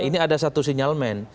ini ada satu sinyal men